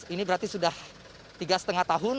ini berarti sudah tiga lima tahun